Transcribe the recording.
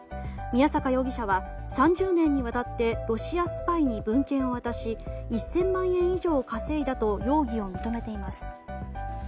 宮坂容疑者は３０年にわたってロシアスパイに文献を渡し１０００万円以上稼いだと容疑を認めています。